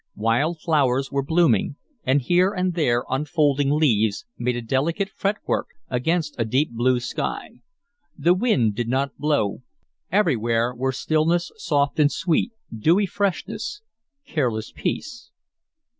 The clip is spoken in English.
Wild flowers were blooming, and here and there unfolding leaves made a delicate fretwork against a deep blue sky. The wind did not blow; everywhere were stillness soft and sweet, dewy freshness, careless peace.